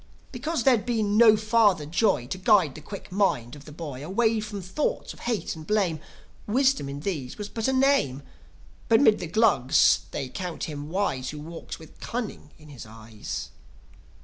Because there'd been no father Joi To guide the quick mind of a boy Away from thoughts of hate and blame, Wisdom in these was but a name. But 'mid the Glugs they count him wise Who walks with cunning in his eyes.